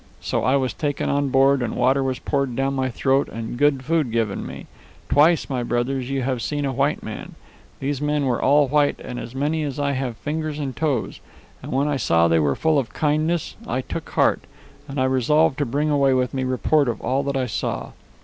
So I was taken on board and water was poured down my throat and good food given me. Twice, my brothers, you have seen a white man. These men were all white and as many as have I fingers and toes. And when I saw they were full of kindness, I took heart, and I resolved to bring away with me report of all that I saw.